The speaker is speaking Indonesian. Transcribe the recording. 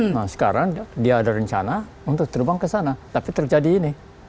nah sekarang dia ada rencana untuk terbang ke sana tapi terjadi ini